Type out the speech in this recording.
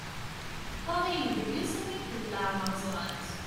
Ṭṭalayen-d deg-s am wakken deg leɛmer ẓran-tt.